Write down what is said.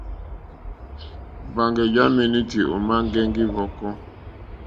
Mbaŋgè ja menuti òma ŋgɛŋgi hvɔkɔ.